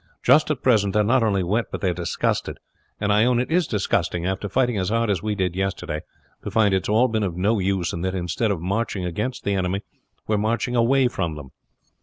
Just at present they are not only wet but they are disgusted. And I own it is disgusting after fighting as hard as we did yesterday to find it's all been of no use, and that instead of marching against the enemy we are marching away from them.